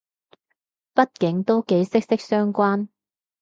畢竟都幾息息相關